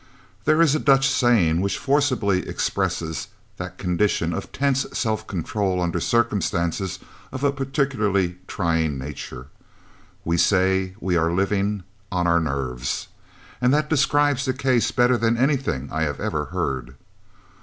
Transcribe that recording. There is a Dutch saying which forcibly expresses that condition of tense self control under circumstances of a particularly trying nature. We say we are "living on our nerves," and that describes the case better than anything I have ever heard.